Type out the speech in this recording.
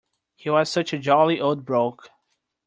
He was such a jolly old bloke.